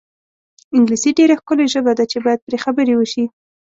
انګلیسي ډېره ښکلې ژبه ده چې باید پرې خبرې وشي.